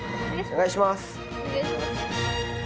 お願いします。